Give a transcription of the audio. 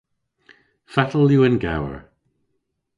Fatel yw an gewer?